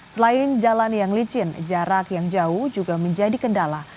selain jalan yang licin jarak yang jauh juga menjadi kendala